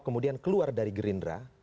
kemudian keluar dari gerindra